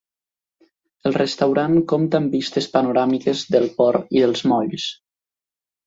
El restaurant compta amb vistes panoràmiques del port i dels molls.